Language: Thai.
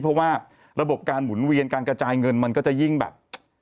เพราะว่าระบบการหมุนเวียนการกระจายเงินมันก็จะยิ่งแบบ